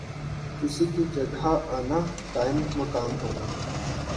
کسی کی جگہ آنا، قائم مقام ہونا